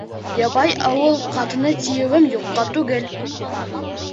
Ябай ауыл ҡатыны тиеүем юҡҡа түгел.